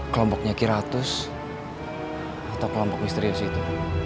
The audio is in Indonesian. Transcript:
kelompoknya kiratus atau kelompok misterius itu